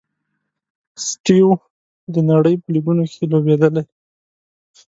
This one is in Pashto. سټیو و د نړۍ په لیګونو کښي لوبېدلی.